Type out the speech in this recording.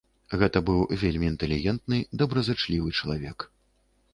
Гэта быў вельмі інтэлігентны, добразычлівы чалавек.